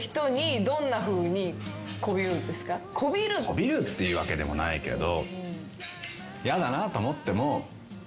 媚びるっていうわけでもないけど。